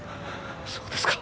そうですか。